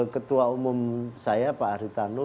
ketua umum saya pak hari tanu